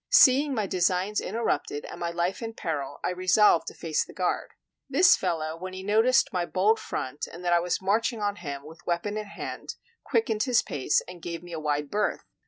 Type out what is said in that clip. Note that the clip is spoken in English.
Seeing my designs interrupted and my life in peril, I resolved to face the guard. This fellow, when he noticed my bold front, and that I was marching on him with weapon in hand, quickened his pace and gave me a wide berth.